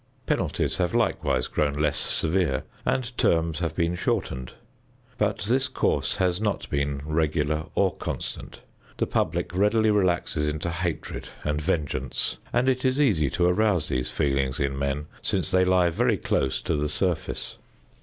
Penalties have likewise grown less severe and terms have been shortened, but this course has not been regular or constant; the public readily relaxes into hatred and vengeance, and it is easy to arouse these feelings in men, since they lie very close to the surface.